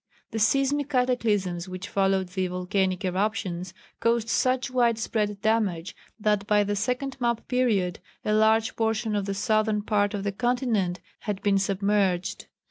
The seismic cataclysms which followed the volcanic eruptions caused such wide spread damage that by the second map period a large portion of the southern part of the continent had been submerged.